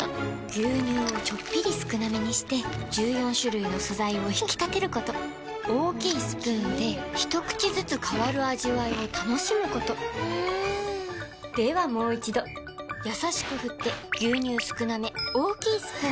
牛乳をちょっぴり少なめにして１４種類の素材を引き立てること大きいスプーンで一口ずつ変わる味わいを楽しむことではもう一度これだ！